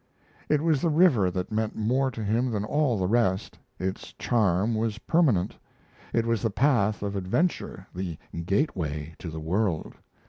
It was the river that meant more to him than all the rest. Its charm was permanent. It was the path of adventure, the gateway to the world.